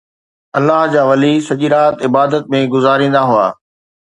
الله جا ولي سڄي رات عبادت ۾ گذاريندا هئا